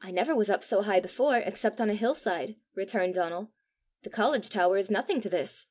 "I never was up so high before, except on a hill side," returned Donal. "The college tower is nothing to this!"